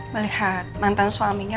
melihat mantan suaminya